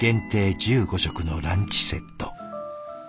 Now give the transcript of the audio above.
１５食のランチセット。